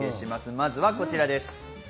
まずはこちらです。